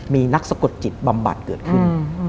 มีนักสะกดจิตบำบัดเกิดขึ้น